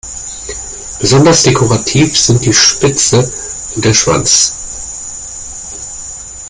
Besonders dekorativ sind die Spitze und der Schwanz.